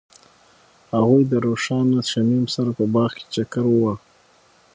هغوی د روښانه شمیم سره په باغ کې چکر وواهه.